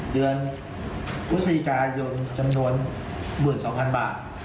เดือนพฤศจิกายนจำนวน๑๒๐๐๐บาท